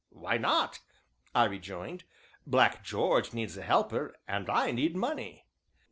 "Why not?" I rejoined. "Black George needs a helper, and I need money."